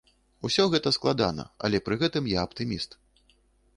Усё гэта складана, але пры гэтым я аптыміст.